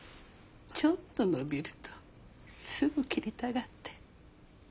ちょっと伸びるとすぐ切りたがって。